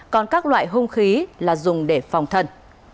còn các loại hung khí là dùng để phòng thân